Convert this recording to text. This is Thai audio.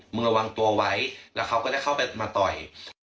ระวังตัวไว้แล้วเขาก็ได้เข้าไปมาต่อย